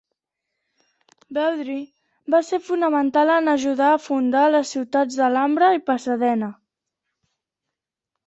Beaudry va ser fonamental en ajudar a fundar les ciutats d'Alhambra i Pasadena.